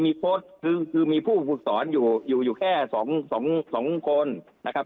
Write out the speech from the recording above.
มีโค้ดคือมีผู้ฝึกสอนอยู่แค่๒คนนะครับ